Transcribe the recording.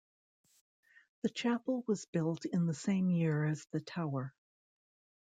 The chapel was built in the same year as the tower.